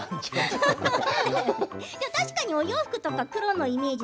確かに、お洋服とか黒のイメージ。